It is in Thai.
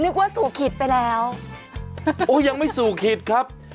ว่าสู่ขิตไปแล้วโอ้ยังไม่สู่ขิตครับ